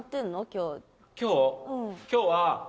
今日は。